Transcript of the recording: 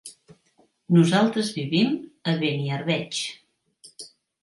Nosaltres vivim a Beniarbeig.